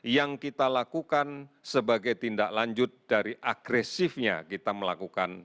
yang kita lakukan sebagai tindak lanjut dari agresifnya kita melakukan